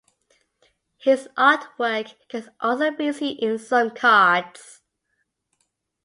His artwork can also be seen in some cards.